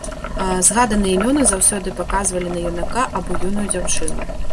Згаданыя імёны заўсёды паказвалі на юнака або юную дзяўчыну.